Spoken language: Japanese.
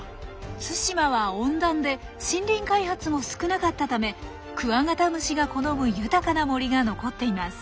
対馬は温暖で森林開発も少なかったためクワガタムシが好む豊かな森が残っています。